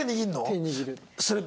手握る。